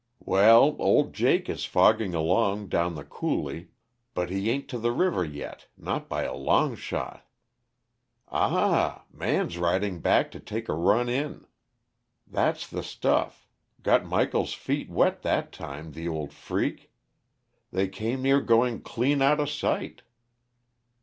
"Well, old Jake is fogging along down the coulee but he ain't to the river yet, not by a long shot! Ah h! Man's riding back to take a run in. That's the stuff got Michael's feet wet that time, the old freak! They came near going clean outa sight."